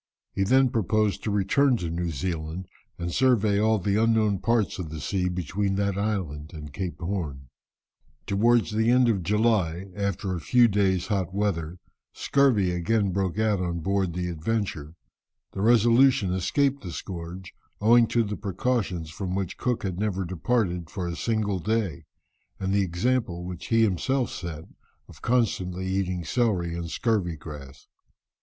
He then proposed to return to New Zealand and survey all the unknown parts of the sea between that island and Cape Horn. Towards the end of July, after a few days' hot weather, scurvy again broke out on board the Adventure. The Resolution escaped the scourge, owing to the precautions from which Cook never departed for a single day, and the example which he himself set of constantly eating celery and scurvy grass.